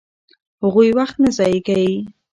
هغوی وخت نه ضایع کوي.